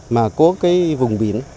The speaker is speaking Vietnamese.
mà có vùng biển